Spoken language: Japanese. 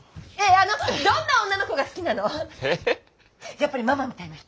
やっぱりママみたいな人？